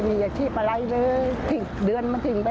โอ้โฮเด็กเรารู้สึกยังไง